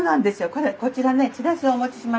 これこちらねチラシをお持ちしましたので。